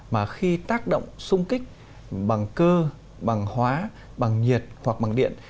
mà khi tác động sung kích bằng cơ bằng hóa bằng nhiệt hoặc bằng điện